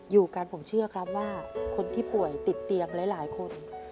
อยู่กันผมเชื่อครับว่าคนที่ป่วยติดเตียงหลายคน